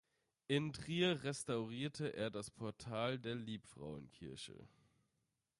In Trier restaurierte er das Portal der Liebfrauenkirche.